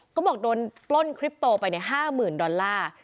ก็บอกโดนปล้นคลิปโตไป๕๐๐๐ดอลลาร์